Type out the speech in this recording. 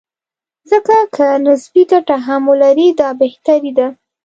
ځکه که نسبي ګټه هم ولري، دا بهتري ده.